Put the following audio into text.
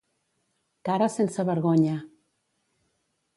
Cara sense vergonya.